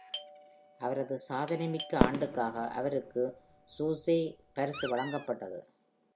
அவரது சாதனைமிக்க ஆண்டுக்காக அவருக்கு Shusai பரிசு வழங்கப்பட்டது.